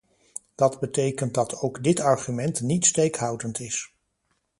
Dat betekent dat ook dit argument niet steekhoudend is.